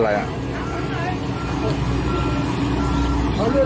หรือว่าเกิดอะไรขึ้น